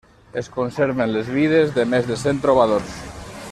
Es conserven les vides de més de cent trobadors.